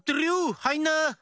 はいんな！